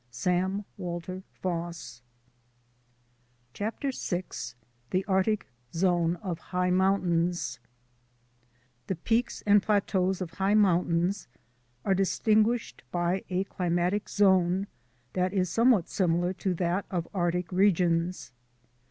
— Sam Walter Foss. CHAPTER VI THE ARCTIC ZONE OF HIGH MOUNTAINS THE peaks and plateaus of high mountains are distinguished by a climatic zone that is somewhat similar to that of Arctic regions.